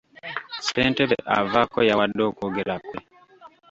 Ssentebe avaako yawadde okwogera kwe.